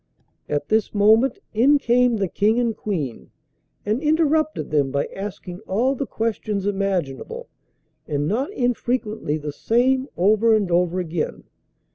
At this moment in came the King and Queen, and interrupted them by asking all the questions imaginable, and not infrequently the same over and over again.